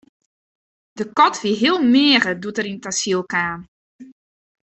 De kat wie heel meager doe't er yn it asyl kaam.